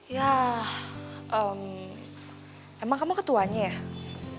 ya emang kamu ketuanya ya